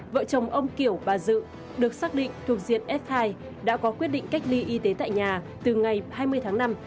vợ chồng ông kiểu bà dự được xác định thuộc diện f hai đã có quyết định cách ly y tế tại nhà từ ngày hai mươi tháng năm